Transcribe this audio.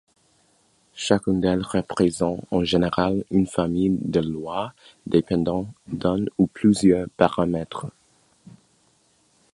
Chacune d’elle représente en général une famille de lois dépendant d’un ou plusieurs paramètres.